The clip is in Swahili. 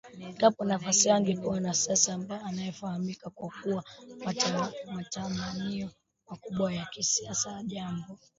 Endapo nafasi hiyo angepewa mwanasiasa anayefahamika kwa kuwa na matamanio makubwa ya kisiasa jambo